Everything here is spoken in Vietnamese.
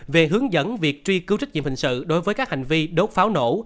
về hướng dẫn việc truy cứu trách nhiệm hình sự đối với các hành vi đốt pháo nổ